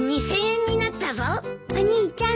お兄ちゃん